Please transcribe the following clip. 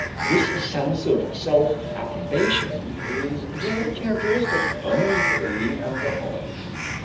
This sense of self approbation is very characteristic of the alcoholic.